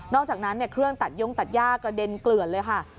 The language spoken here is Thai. อกจากนั้นเครื่องตัดย่งตัดย่ากระเด็นเกลือนเลยค่ะ